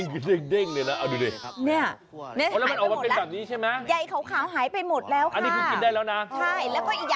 ค่ะนะนี่